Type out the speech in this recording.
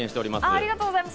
ありがとうございます。